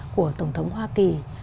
của tổng thống hoa kỳ